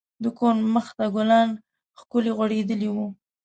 د کور مخ ته ګلان ښکلي غوړیدلي وو.